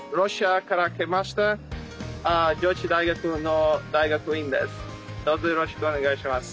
上智大学の大学院です。